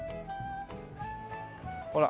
ほら。